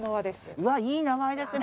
うわっいい名前ですね